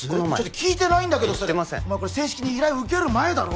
聞いてないんだけどこの前言ってません正式に依頼受ける前だろ？